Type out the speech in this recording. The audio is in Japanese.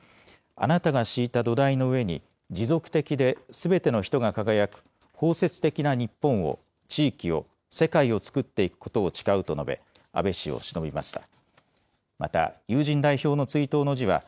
あなたが敷いた土台の上に、持続的ですべての人が輝く包摂的な日本を、地域を、世界をつくっていくことを誓うと述べ、安倍氏をしのびました。